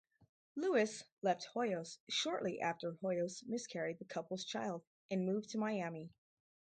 Luis left Hoyos shortly after Hoyos miscarried the couple's child, and moved to Miami.